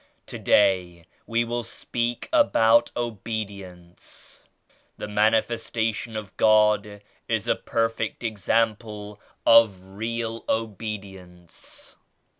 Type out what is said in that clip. "Today we will speak about Obedience I The Manifestation of God is a perfect example of real obedience.